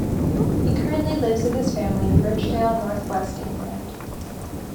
He currently lives with his family in Rochdale, North West England.